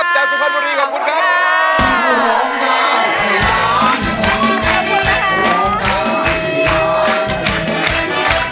ขอบคุณนะครับ